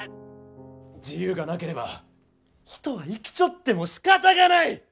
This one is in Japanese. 自由がなければ人は生きちょってもしかたがない！